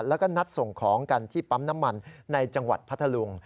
แล้วก็นัดส่งของกันที่ปั๊มน้ำมันในจังหวัดพัทธลุง